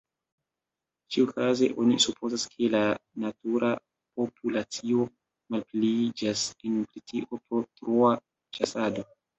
Ĉiukaze oni supozas, ke la "natura" populacio malpliiĝas en Britio pro troa ĉasado.